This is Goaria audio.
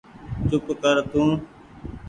چوپ ڪر تو